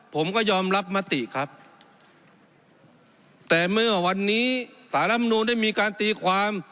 ผมก็ยอมรับมติครับแต่เมื่อวันนี้สารรำนูนได้มีการตีความ